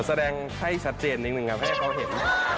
แสดงให้ชัดเจนนิดนึงครับให้เขาเห็น